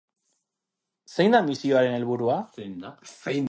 Zein da misioaren helburua?